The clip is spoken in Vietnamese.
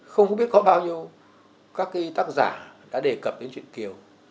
không biết có bao nhiêu các tác giả đã đề cập đến chuyện kiều